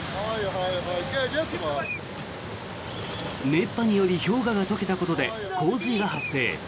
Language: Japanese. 熱波により氷河が解けたことで洪水が発生。